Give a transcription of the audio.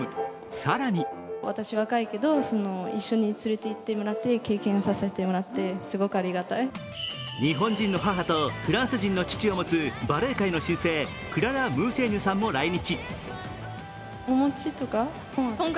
更に日本人の母とフランス人の父を持つバレエ界の新星、クララ・ムーセーニュさんも来日。